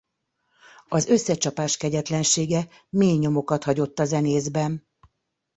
Az összecsapás kegyetlensége mély nyomokat hagyott a zenészben.